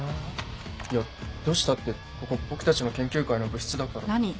いや「どうした？」ってここ僕たちの研究会の部室だから。何？